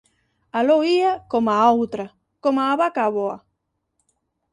Aló ía, coma a outra, coma a vaca avoa.